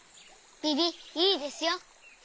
ビビいいですよ。